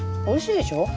おいしいでしょ？